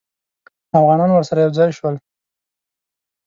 اوغانان ورسره یو ځای شول.